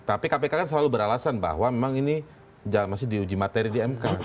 tapi kpk kan selalu beralasan bahwa memang ini masih diuji materi di mk